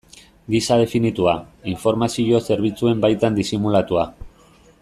Gisa definitua, informazio zerbitzuen baitan disimulatua.